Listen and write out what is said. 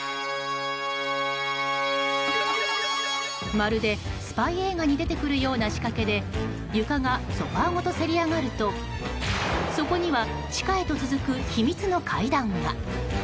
まるでスパイ映画に出てくるような仕掛けで床がソファごとせり上がるとそこには地下へと続く秘密の階段が。